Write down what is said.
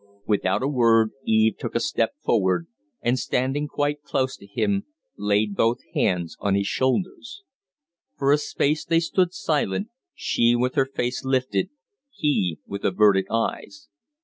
Without a word Eve took a step forward, and, standing quite close to him, laid both hands on his shoulders. For a space they stood silent, she with her face lifted, he with averted eyes.